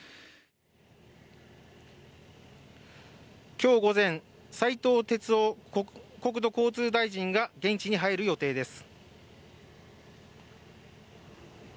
今日午前、斉藤哲夫国土交通大臣が現地に入る予定です。